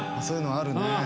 そういうのあるね。